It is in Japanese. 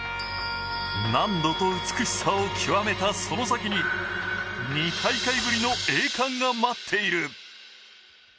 難度と美しさを極めたその先に、２大会ぶりの栄冠が待っている。